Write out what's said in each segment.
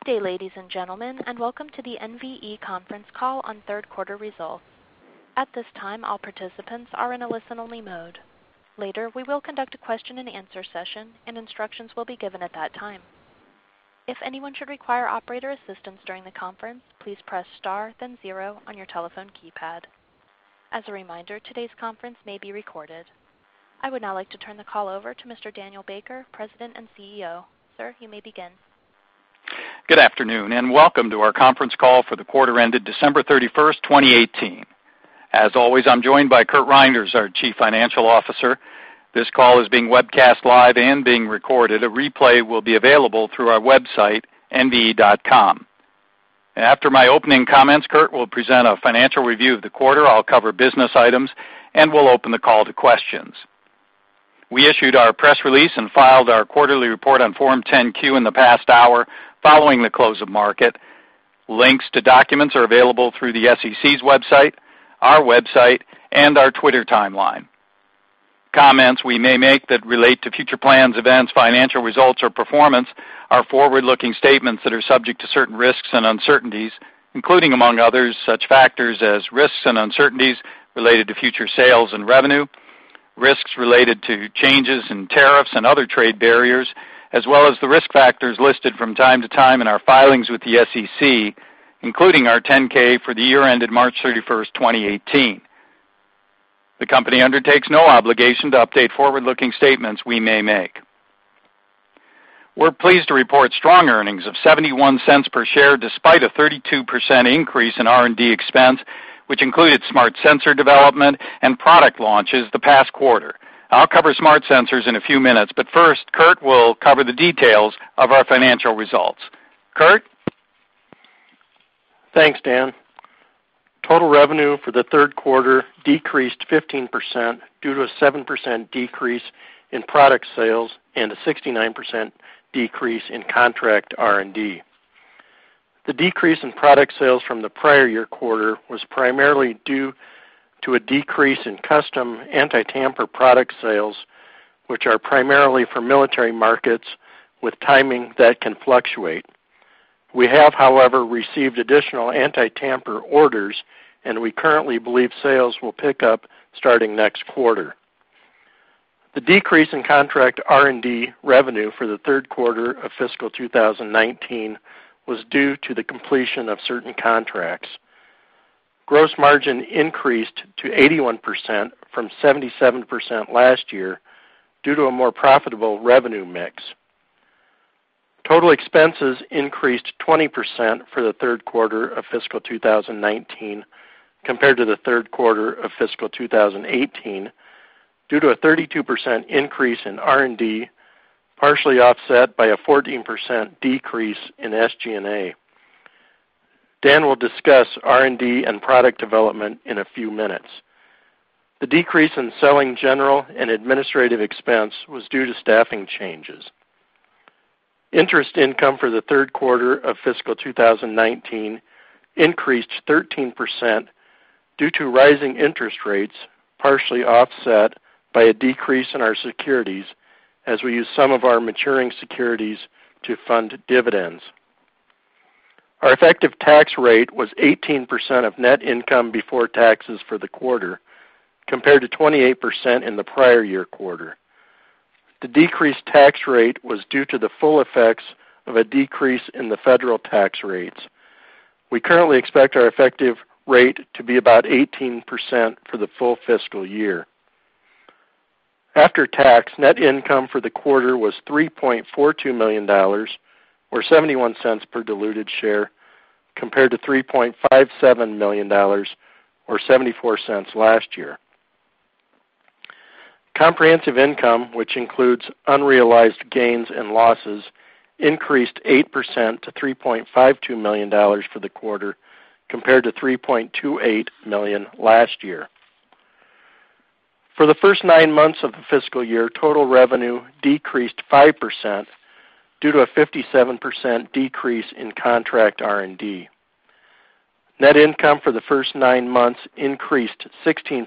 Good day, ladies and gentlemen, and Welcome to the NVE conference call on third quarter results. At this time, all participants are in a listen-only mode. Later, we will conduct a question and answer session, and instructions will be given at that time. If anyone should require operator assistance during the conference, please press star then zero on your telephone keypad. As a reminder, today's conference may be recorded. I would now like to turn the call over to Mr. Daniel Baker, President and CEO. Sir, you may begin. Good afternoon, welcome to our conference call for the quarter ended December 31st, 2018. As always, I'm joined by Curt Reynders, our Chief Financial Officer. This call is being webcast live and being recorded. A replay will be available through our website, nve.com. After my opening comments, Curt will present a financial review of the quarter. I'll cover business items, and we'll open the call to questions. We issued our press release and filed our quarterly report on Form 10-Q in the past hour following the close of market. Links to documents are available through the SEC's website, our website, and our Twitter timeline. Comments we may make that relate to future plans, events, financial results, or performance are forward-looking statements that are subject to certain risks and uncertainties, including, among others, such factors as risks and uncertainties related to future sales and revenue, risks related to changes in tariffs and other trade barriers, as well as the risk factors listed from time to time in our filings with the SEC, including our Form 10-K for the year ended March 31st, 2018. The company undertakes no obligation to update forward-looking statements we may make. We're pleased to report strong earnings of $0.71 per share despite a 32% increase in R&D expense, which included smart sensor development and product launches the past quarter. I'll cover smart sensors in a few minutes, first, Curt will cover the details of our financial results. Curt? Thanks, Daniel. Total revenue for the third quarter decreased 15% due to a 7% decrease in product sales and a 69% decrease in Contract R&D. The decrease in product sales from the prior year quarter was primarily due to a decrease in custom anti-tamper product sales, which are primarily for military markets with timing that can fluctuate. We have, however, received additional anti-tamper orders, we currently believe sales will pick up starting next quarter. The decrease in Contract R&D revenue for the third quarter of fiscal 2019 was due to the completion of certain contracts. Gross margin increased to 81% from 77% last year due to a more profitable revenue mix. Total expenses increased 20% for the third quarter of fiscal 2019 compared to the third quarter of fiscal 2018 due to a 32% increase in R&D, partially offset by a 14% decrease in SG&A. Daniel will discuss R&D and product development in a few minutes. The decrease in selling general and administrative expense was due to staffing changes. Interest income for the third quarter of fiscal 2019 increased 13% due to rising interest rates, partially offset by a decrease in our securities as we used some of our maturing securities to fund dividends. Our effective tax rate was 18% of net income before taxes for the quarter, compared to 28% in the prior year quarter. The decreased tax rate was due to the full effects of a decrease in the federal tax rates. We currently expect our effective rate to be about 18% for the full fiscal year. After tax, net income for the quarter was $3.42 million, or $0.71 per diluted share, compared to $3.57 million, or $0.74 last year. Comprehensive income, which includes unrealized gains and losses, increased 8% to $3.52 million for the quarter compared to $3.28 million last year. For the first nine months of the fiscal year, total revenue decreased 5% due to a 57% decrease in Contract R&D. Net income for the first nine months increased 16%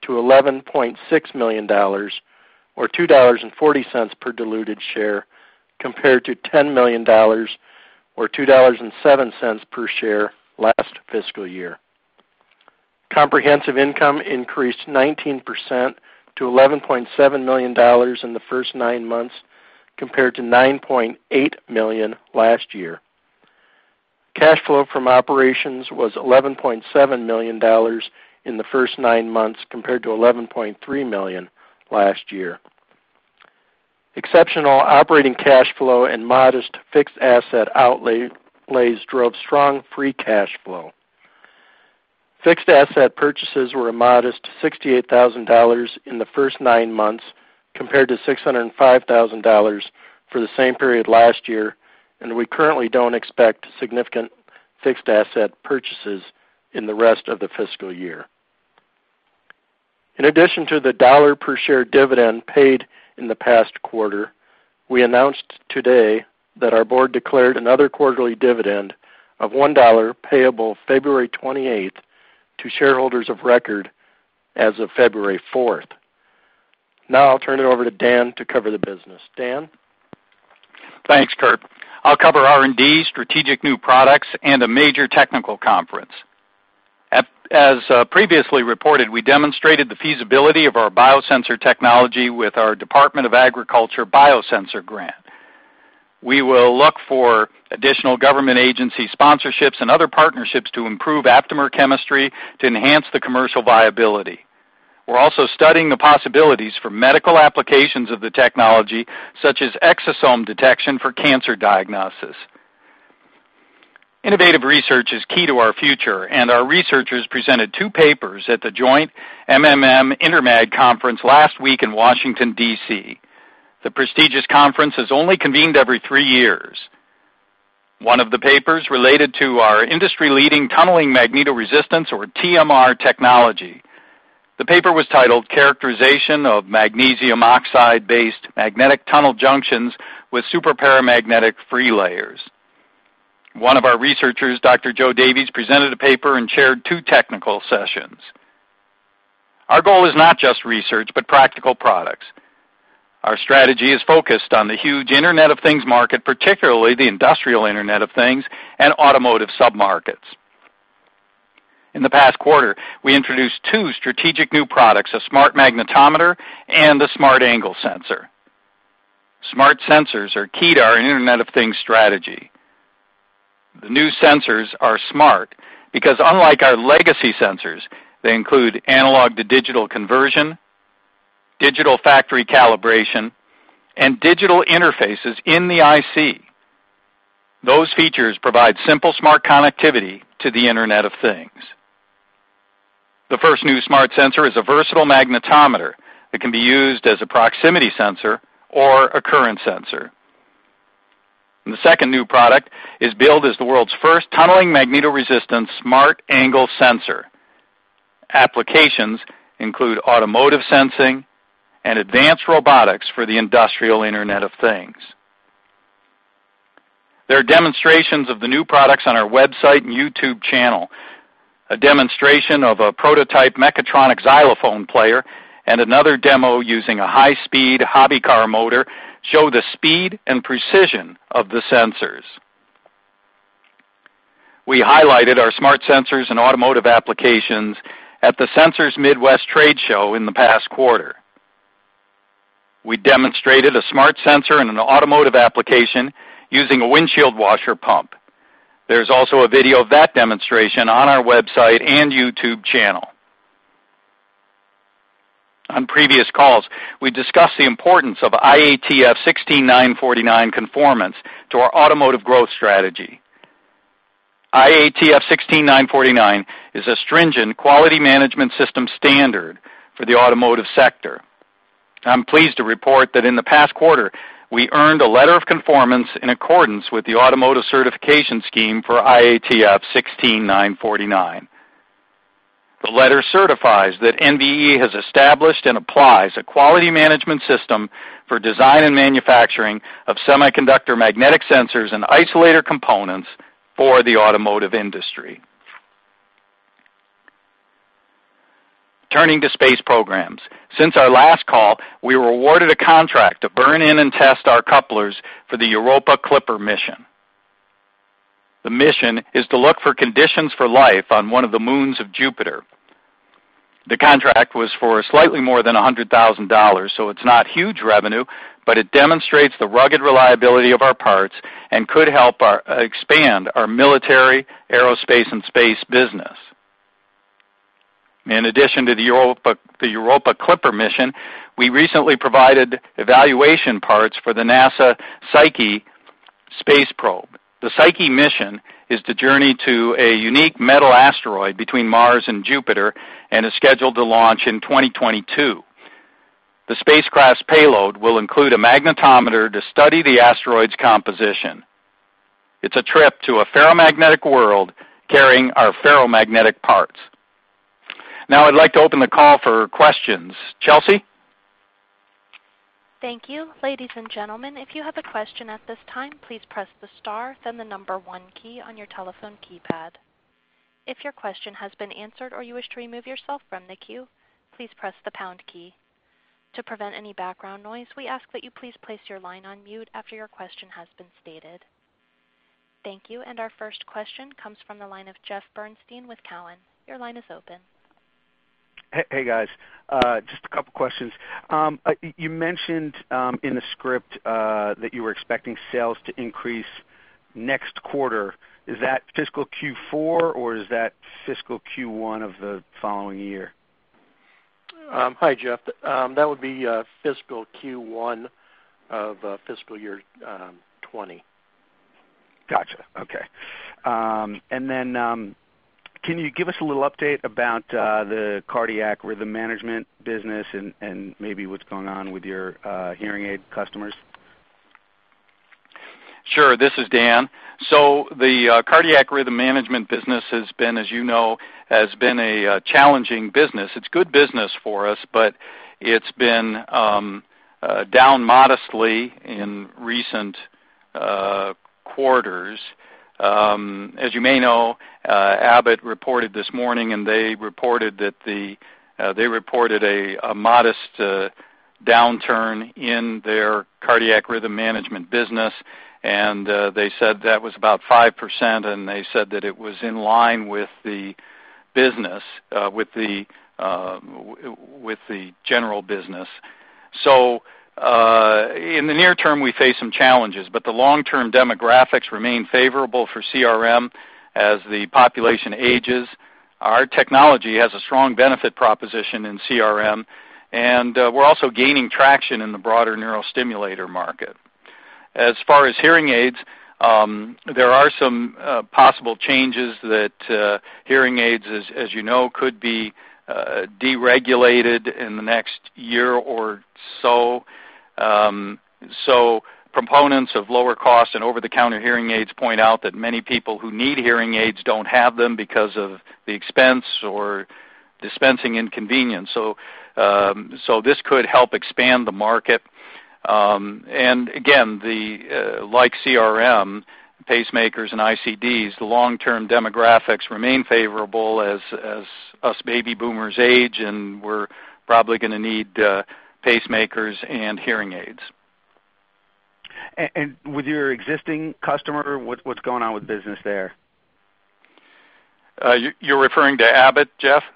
to $11.6 million, or $2.40 per diluted share compared to $10 million or $2.07 per share last fiscal year. Comprehensive income increased 19% to $11.7 million in the first nine months compared to $9.8 million last year. Cash flow from operations was $11.7 million in the first nine months compared to $11.3 million last year. Exceptional operating cash flow and modest fixed asset outlays drove strong free cash flow. Fixed asset purchases were a modest $68,000 in the first nine months compared to $605,000 for the same period last year, and we currently don't expect significant fixed asset purchases in the rest of the fiscal year. In addition to the dollar per share dividend paid in the past quarter, we announced today that our board declared another quarterly dividend of $1 payable February 28th to shareholders of record as of February 4th. I'll turn it over to Daniel to cover the business. Daniel? Thanks, Curt. I'll cover R&D, strategic new products, and a major technical conference. As previously reported, we demonstrated the feasibility of our biosensor technology with our Department of Agriculture biosensor grant. We will look for additional government agency sponsorships and other partnerships to improve aptamer chemistry to enhance the commercial viability. We're also studying the possibilities for medical applications of the technology, such as exosome detection for cancer diagnosis. Innovative research is key to our future, and our researchers presented two papers at the Joint MMM-Intermag Conference last week in Washington, D.C. The prestigious conference is only convened every three years. One of the papers related to our industry-leading tunneling magnetoresistance, or TMR, technology. The paper was titled "Characterization of Magnesium Oxide-Based Magnetic Tunnel Junctions with Superparamagnetic Free Layers." One of our researchers, Dr. Joe Davies, presented a paper and chaired two technical sessions. Our goal is not just research, but practical products. Our strategy is focused on the huge Internet of Things market, particularly the industrial Internet of Things and automotive sub-markets. In the past quarter, we introduced two strategic new products, a smart magnetometer and the smart angle sensor. Smart sensors are key to our Internet of Things strategy. The new sensors are smart because, unlike our legacy sensors, they include analog-to-digital conversion, digital factory calibration, and digital interfaces in the IC. Those features provide simple smart connectivity to the Internet of Things. The first new smart sensor is a versatile magnetometer that can be used as a proximity sensor or a current sensor. The second new product is billed as the world's first tunneling magnetoresistance smart angle sensor. Applications include automotive sensing and advanced robotics for the industrial Internet of Things. There are demonstrations of the new products on our website and YouTube channel. A demonstration of a prototype mechatronic xylophone player and another demo using a high-speed hobby car motor show the speed and precision of the sensors. We highlighted our smart sensors and automotive applications at the Sensors Midwest trade show in the past quarter. We demonstrated a smart sensor in an automotive application using a windshield washer pump. There's also a video of that demonstration on our website and YouTube channel. On previous calls, we discussed the importance of IATF 16949 conformance to our automotive growth strategy. IATF 16949 is a stringent quality management system standard for the automotive sector. I'm pleased to report that in the past quarter, we earned a letter of conformance in accordance with the automotive certification scheme for IATF 16949. The letter certifies that NVE has established and applies a quality management system for design and manufacturing of semiconductor magnetic sensors and isolator components for the automotive industry. Turning to space programs. Since our last call, we were awarded a contract to burn in and test our couplers for the Europa Clipper mission. The mission is to look for conditions for life on one of the moons of Jupiter. The contract was for slightly more than $100,000, so it's not huge revenue, but it demonstrates the rugged reliability of our parts and could help expand our military, aerospace, and space business. In addition to the Europa Clipper mission, we recently provided evaluation parts for the NASA Psyche space probe. The Psyche mission is to journey to a unique metal asteroid between Mars and Jupiter and is scheduled to launch in 2022. The spacecraft's payload will include a magnetometer to study the asteroid's composition. It's a trip to a ferromagnetic world carrying our ferromagnetic parts. I'd like to open the call for questions. Chelsea? Thank you. Ladies and gentlemen, if you have a question at this time, please press the star, then the number one key on your telephone keypad. If your question has been answered or you wish to remove yourself from the queue, please press the pound key. To prevent any background noise, we ask that you please place your line on mute after your question has been stated. Thank you. Our first question comes from the line of Jeffrey Bernstein with TD Cowen. Your line is open. Hey, guys. Just a couple questions. You mentioned in the script, that you were expecting sales to increase next quarter. Is that fiscal Q4, or is that fiscal Q1 of the following year? Hi, Jeffrey. That would be fiscal Q1 of fiscal year 2020. Got you. Okay. Then, can you give us a little update about the cardiac rhythm management business and maybe what's going on with your hearing aid customers? This is Daniel. The cardiac rhythm management business has been, as you know, a challenging business. It's good business for us, but it's been down modestly in recent quarters. As you may know, Abbott reported this morning, and they reported a modest downturn in their cardiac rhythm management business, and they said that was about 5%, and they said that it was in line with the general business. In the near term, we face some challenges, but the long-term demographics remain favorable for CRM as the population ages. Our technology has a strong benefit proposition in CRM, and we're also gaining traction in the broader neurostimulator market. As far as hearing aids, there are some possible changes that hearing aids, as you know, could be deregulated in the next year or so. Proponents of lower cost and over-the-counter hearing aids point out that many people who need hearing aids don't have them because of the expense or dispensing inconvenience. This could help expand the market. Again, like CRM, pacemakers, and ICDs, the long-term demographics remain favorable as us baby boomers age, and we're probably going to need pacemakers and hearing aids. With your existing customer, what's going on with business there? You're referring to Abbott, Jeffrey?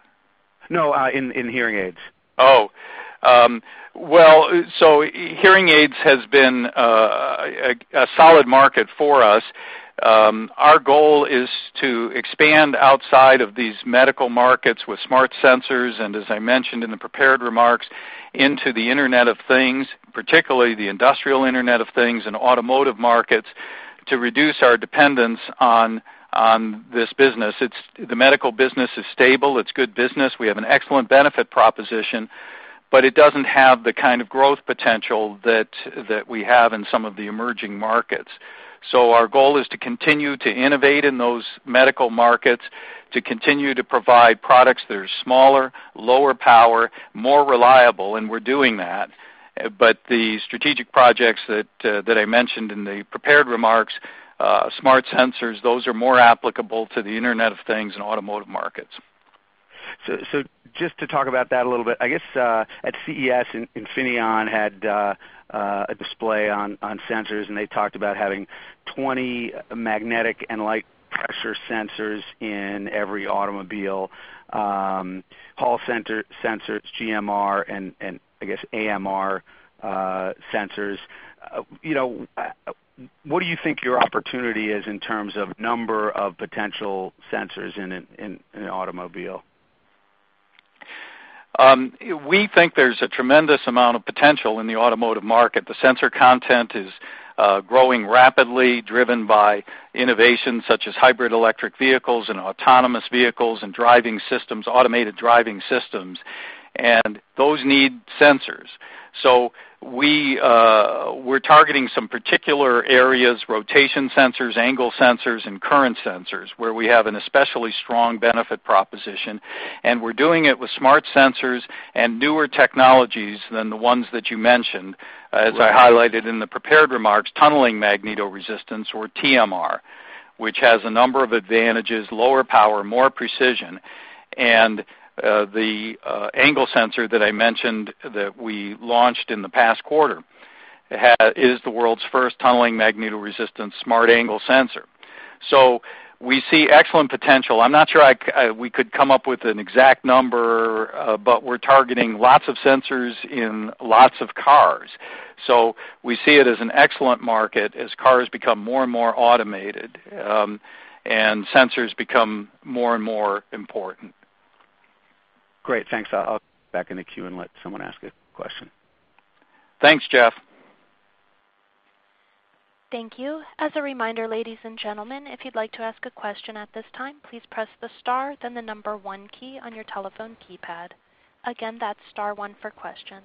No, in hearing aids. Well, hearing aids has been a solid market for us. Our goal is to expand outside of these medical markets with smart sensors, and as I mentioned in the prepared remarks, into the Internet of Things, particularly the industrial Internet of Things and automotive markets, to reduce our dependence on this business. The medical business is stable. It's good business. We have an excellent benefit proposition, but it doesn't have the kind of growth potential that we have in some of the emerging markets. Our goal is to continue to innovate in those medical markets, to continue to provide products that are smaller, lower power, more reliable, and we're doing that. The strategic projects that I mentioned in the prepared remarks, smart sensors, those are more applicable to the Internet of Things and automotive markets. Just to talk about that a little bit, I guess at CES, Infineon had a display on sensors, and they talked about having 20 magnetic and light pressure sensors in every automobile, Hall sensors, GMR and, I guess, AMR sensors. What do you think your opportunity is in terms of number of potential sensors in an automobile? We think there's a tremendous amount of potential in the automotive market. The sensor content is growing rapidly, driven by innovations such as hybrid electric vehicles and autonomous vehicles and automated driving systems, and those need sensors. We're targeting some particular areas, rotation sensors, angle sensors, and current sensors, where we have an especially strong benefit proposition, and we're doing it with smart sensors and newer technologies than the ones that you mentioned. As I highlighted in the prepared remarks, Tunneling Magnetoresistance, or TMR, which has a number of advantages, lower power, more precision. The angle sensor that I mentioned that we launched in the past quarter is the world's first Tunneling Magnetoresistance smart angle sensor. We see excellent potential. I'm not sure we could come up with an exact number, but we're targeting lots of sensors in lots of cars. We see it as an excellent market as cars become more and more automated, and sensors become more and more important. Great. Thanks. I'll get back in the queue and let someone ask a question. Thanks, Jeffrey. Thank you. As a reminder, ladies and gentlemen, if you'd like to ask a question at this time, please press the star, then the number one key on your telephone keypad. Again, that's star one for questions.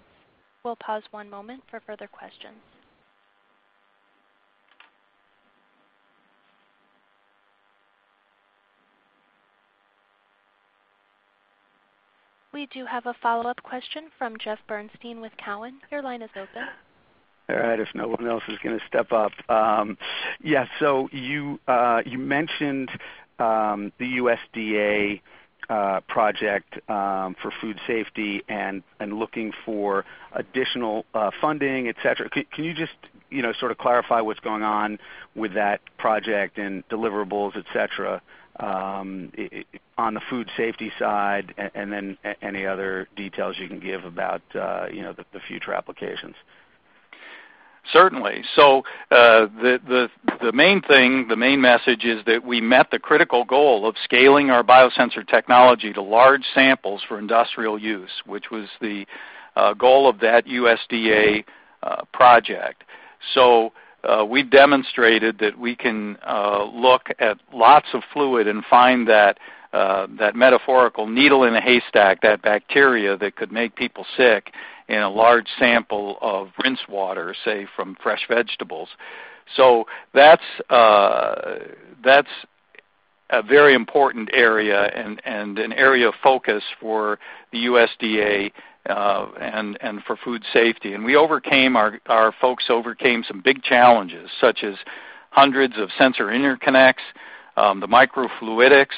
We'll pause one moment for further questions. We do have a follow-up question from Jeffrey Bernstein with TD Cowen. Your line is open. All right. If no one else is going to step up. Yeah. You mentioned the USDA project for food safety and looking for additional funding, et cetera. Can you just sort of clarify what's going on with that project and deliverables, et cetera, on the food safety side, any other details you can give about the future applications? Certainly. The main message is that we met the critical goal of scaling our biosensor technology to large samples for industrial use, which was the goal of that USDA project. We demonstrated that we can look at lots of fluid and find that metaphorical needle in a haystack, that bacteria that could make people sick in a large sample of rinse water, say, from fresh vegetables. That's a very important area and an area of focus for the USDA, and for food safety. Our folks overcame some big challenges, such as hundreds of sensor interconnects, the microfluidics.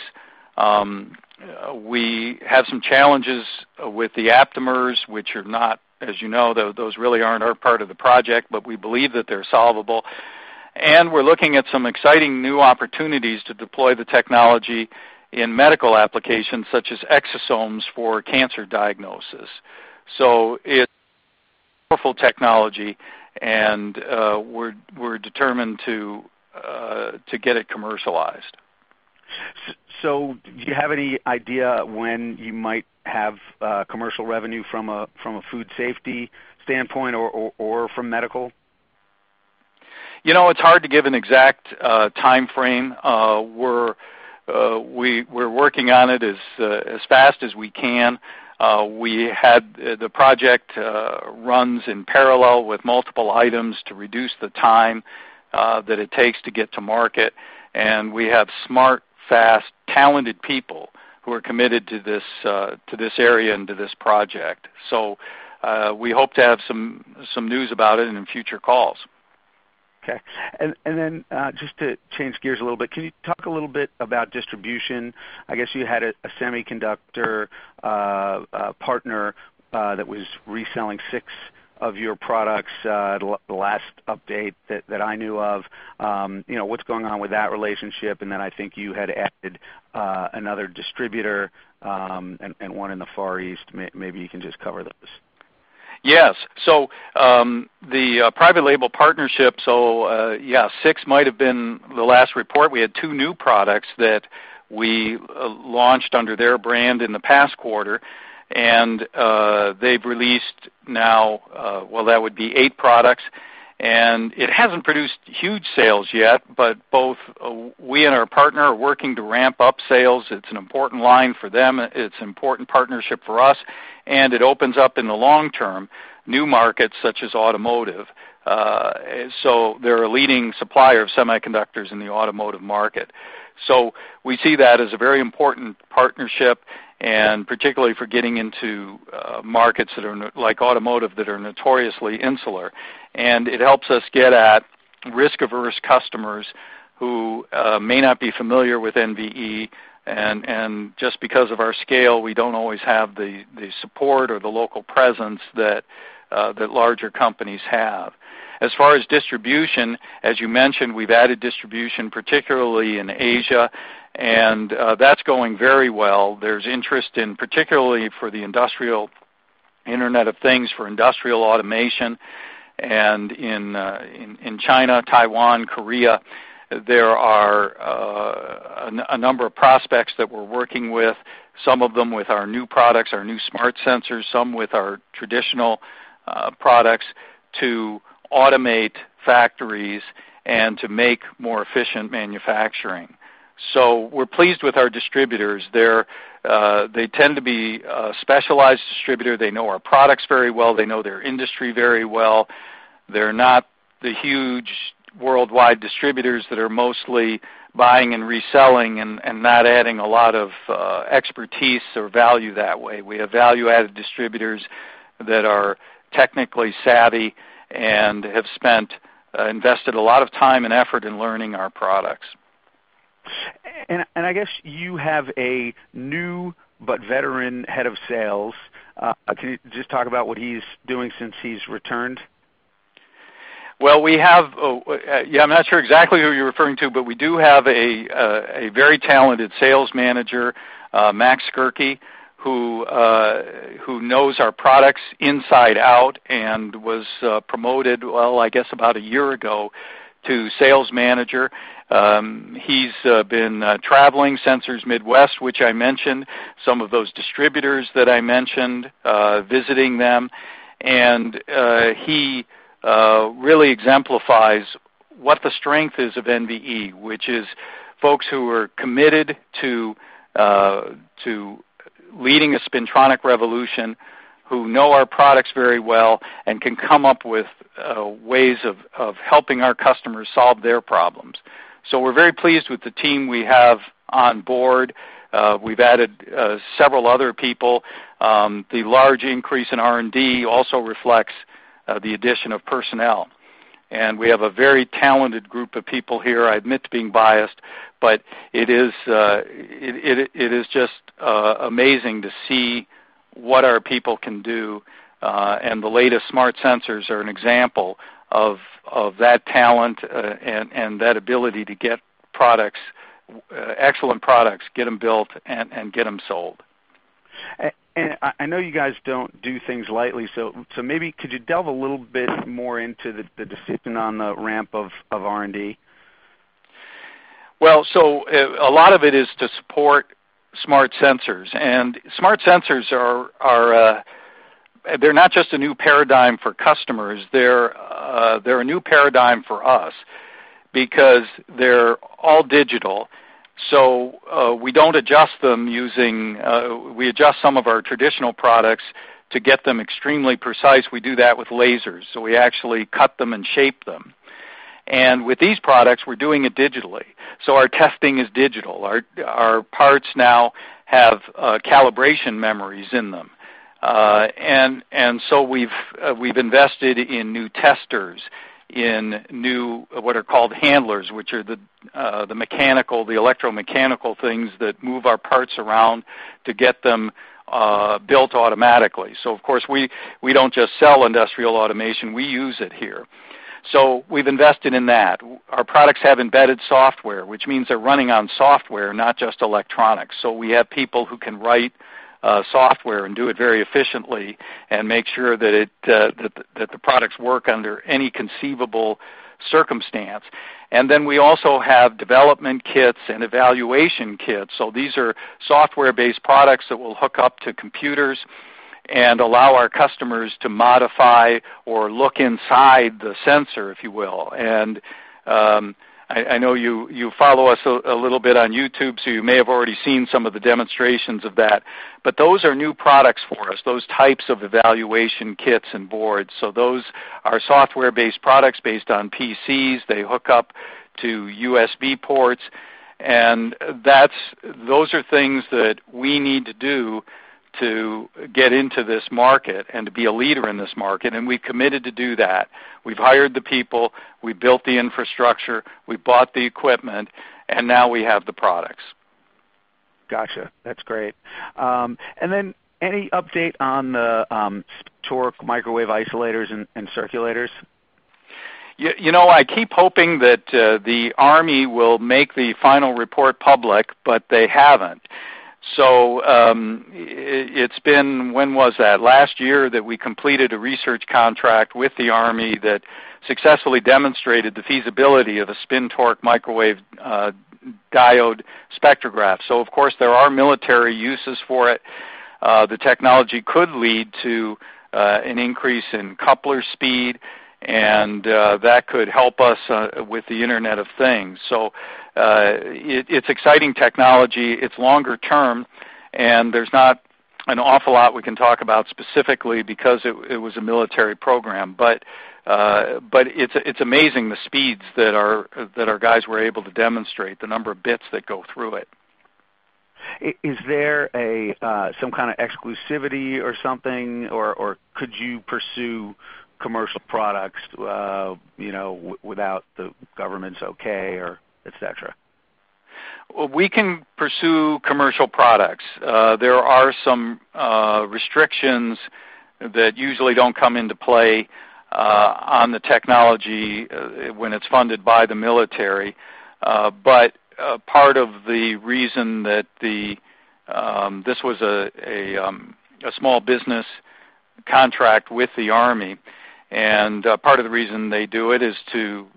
We have some challenges with the aptamers, which are not, as you know, those really aren't our part of the project, but we believe that they're solvable. We're looking at some exciting new opportunities to deploy the technology in medical applications, such as exosomes for cancer diagnosis. It's powerful technology, we're determined to get it commercialized. Do you have any idea when you might have commercial revenue from a food safety standpoint or from medical? It's hard to give an exact timeframe. We're working on it as fast as we can. The project runs in parallel with multiple items to reduce the time that it takes to get to market. We have smart, fast, talented people who are committed to this area and to this project. We hope to have some news about it in future calls. Okay. Just to change gears a little bit, can you talk a little bit about distribution? I guess you had a semiconductor partner that was reselling six of your products, the last update that I knew of. What's going on with that relationship? I think you had added another distributor, and one in the Far East. Maybe you can just cover those. Yes. The private label partnership, six might have been the last report. We had two new products that we launched under their brand in the past quarter, and they've released now, well, that would be eight products. It hasn't produced huge sales yet, but both we and our partner are working to ramp up sales. It's an important line for them, it's important partnership for us, and it opens up, in the long term, new markets such as automotive. They're a leading supplier of semiconductors in the automotive market. We see that as a very important partnership, and particularly for getting into markets like automotive, that are notoriously insular. It helps us get at risk-averse customers who may not be familiar with NVE, and just because of our scale, we don't always have the support or the local presence that larger companies have. As far as distribution, as you mentioned, we've added distribution, particularly in Asia, and that's going very well. There's interest in, particularly for the industrial Internet of Things, for industrial automation. In China, Taiwan, Korea, there are a number of prospects that we're working with, some of them with our new products, our new smart sensors, some with our traditional products, to automate factories and to make more efficient manufacturing. We're pleased with our distributors. They tend to be a specialized distributor. They know our products very well. They know their industry very well. They're not the huge worldwide distributors that are mostly buying and reselling and not adding a lot of expertise or value that way. We have value-added distributors that are technically savvy and have invested a lot of time and effort in learning our products. I guess you have a new, but veteran head of sales. Can you just talk about what he's doing since he's returned? Well, I'm not sure exactly who you're referring to, but we do have a very talented sales manager, Max Skerke, who knows our products inside out and was promoted, well, I guess about one year ago, to Sales Manager. He's been traveling Sensors Midwest, which I mentioned, some of those distributors that I mentioned, visiting them. He really exemplifies what the strength is of NVE, which is folks who are committed to leading a spintronic revolution, who know our products very well, and can come up with ways of helping our customers solve their problems. We're very pleased with the team we have on board. We've added several other people. The large increase in R&D also reflects the addition of personnel. We have a very talented group of people here. I admit to being biased, but it is just amazing to see what our people can do. The latest smart sensors are an example of that talent and that ability to get excellent products, get them built, and get them sold. I know you guys don't do things lightly, so maybe could you delve a little bit more into the decision on the ramp of R&D? A lot of it is to support smart sensors. Smart sensors, they're not just a new paradigm for customers. They're a new paradigm for us because they're all digital. We adjust some of our traditional products to get them extremely precise, we do that with lasers. We actually cut them and shape them. With these products, we're doing it digitally. Our testing is digital. Our parts now have calibration memories in them. We've invested in new testers, in new, what are called handlers, which are the electromechanical things that move our parts around to get them built automatically. Of course, we don't just sell industrial automation, we use it here. We've invested in that. Our products have embedded software, which means they're running on software, not just electronics. We have people who can write software and do it very efficiently and make sure that the products work under any conceivable circumstance. We also have development kits and evaluation kits. These are software-based products that we'll hook up to computers and allow our customers to modify or look inside the sensor, if you will. I know you follow us a little bit on YouTube, so you may have already seen some of the demonstrations of that. Those are new products for us, those types of evaluation kits and boards. Those are software-based products based on PCs. They hook up to USB ports. Those are things that we need to do to get into this market and to be a leader in this market, and we committed to do that. We've hired the people, we built the infrastructure, we bought the equipment, and now we have the products. Got you. That's great. Any update on the spin-torque microwave isolators and circulators? I keep hoping that the Army will make the final report public, but they haven't. It's been, when was that? Last year that we completed a research contract with the Army that successfully demonstrated the feasibility of a spin-torque microwave diode spectrograph. Of course, there are military uses for it. The technology could lead to an increase in coupler speed, and that could help us with the Internet of Things. It's exciting technology. It's longer term, and there's not an awful lot we can talk about specifically because it was a military program. It's amazing the speeds that our guys were able to demonstrate, the number of bits that go through it. Is there some kind of exclusivity or something, or could you pursue commercial products without the government's okay or et cetera? We can pursue commercial products. There are some restrictions that usually don't come into play on the technology when it's funded by the military. Part of the reason that this was a small business contract with the Army, and part of the reason they do it is to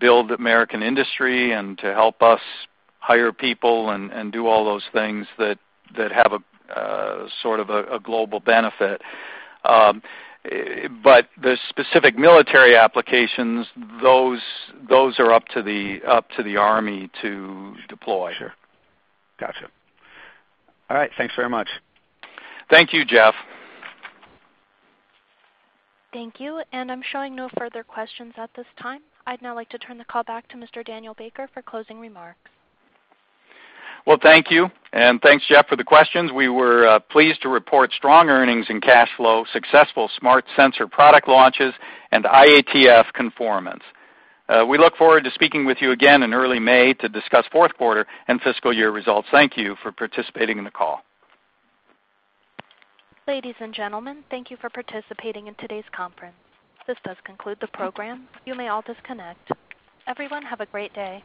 build American industry and to help us hire people and do all those things that have a sort of a global benefit. The specific military applications, those are up to the Army to deploy. Sure. Got you. All right. Thanks very much. Thank you, Jeffrey. Thank you. I'm showing no further questions at this time. I'd now like to turn the call back to Mr. Daniel Baker for closing remarks. Well, thank you, and thanks, Jeffrey, for the questions. We were pleased to report strong earnings and cash flow, successful Smart Sensor product launches, and IATF conformance. We look forward to speaking with you again in early May to discuss fourth quarter and fiscal year results. Thank you for participating in the call. Ladies and gentlemen, thank you for participating in today's conference. This does conclude the program. You may all disconnect. Everyone, have a great day.